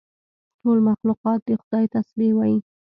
ټول مخلوقات د خدای تسبیح وایي.